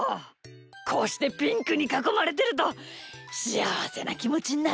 こうしてピンクにかこまれてるとしあわせなきもちになるんだ。